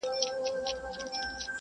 اوږدمهاله فشار معافیت کمزوری کوي.